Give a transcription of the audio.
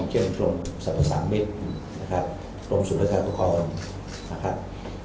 เกี่ยวกับทรัพย์สามมิตรโรงสูตรราคาประควร